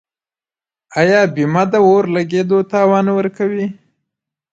آیا بیمه د اور لګیدو تاوان ورکوي؟